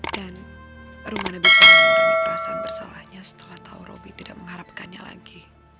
dan romana bisa mengalami perasaan bersalahnya setelah tahu robi tidak mengharapkannya lagi